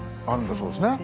そうですね。